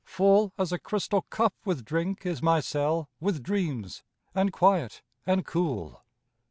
Full as a crystal cup with drink Is my cell with dreams, and quiet, and cool....